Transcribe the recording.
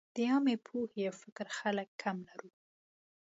د عامې پوهې او فکر خلک کم لرو.